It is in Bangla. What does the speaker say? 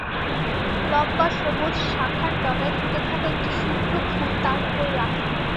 লম্বা সবুজ শাখার ডগায় ফুটে থাকা একটি শুভ্র ফুল তার ওপর রাখা।